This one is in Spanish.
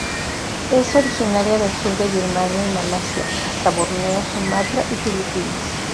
Es originaria del sur de Birmania y Malasia, hasta Borneo, Sumatra y Filipinas.